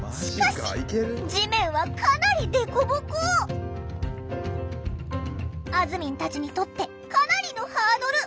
しかしあずみんたちにとってかなりのハードル！